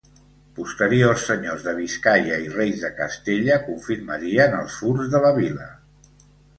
Posteriors senyors de Biscaia i reis de Castella confirmarien els furs de la vila.